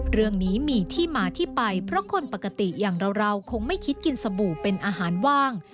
เรื่องนี้มีที่มาที่ไปเพราะคนปกติอย่างเราคงไม่คิดกินสบู่เป็นอาหารว่าง